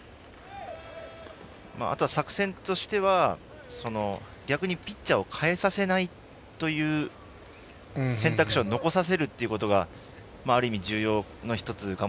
あとは作戦としては逆にピッチャーを変えさせないという選択肢を残させるということがある意味重要。